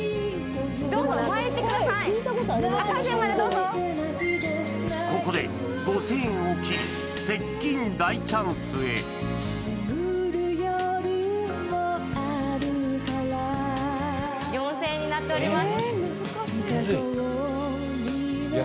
どうぞ前行ってください赤い線までどうぞここで５０００円を切り接近大チャンスへ４０００円になっております